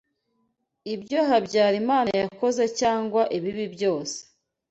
ibyo Habyarimana yakoze cyangwa ibibi byose